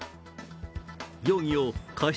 容疑を過失